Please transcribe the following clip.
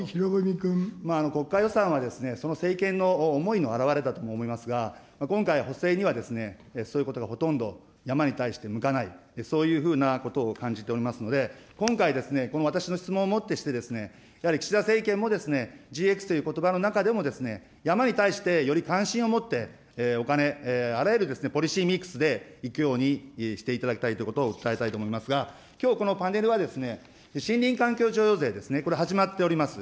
国家予算は、その政権の思いの表れだと思いますが、今回、補正にはそういうことがほとんど、山に対して向かない、そういうふうなことを感じておりますので、今回ですね、この私の質問をもってして、やはり岸田政権も、ＧＸということばの中でも、山に対してより関心を持って、お金、あらゆるポリシーミックスでいくようにしていただきたいということを訴えたいと思いますが、きょう、このパネルは森林環境譲与税ですね、これ、始まっております。